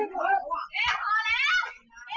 มามา